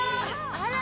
あら！